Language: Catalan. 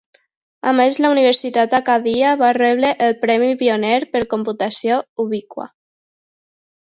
A més, la Universitat Acadia va rebre el Premi Pioner per Computació Ubiqua.